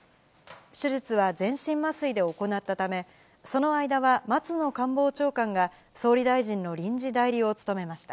手術は全身麻酔で行ったため、その間は松野官房長官が、総理大臣の臨時代理を務めました。